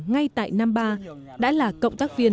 ngay tại năm ba đã là cộng tác viên